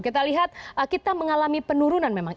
kita lihat kita mengalami penurunan memang